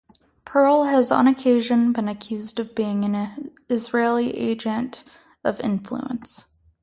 Perle has on occasion been accused of being an Israeli agent of influence.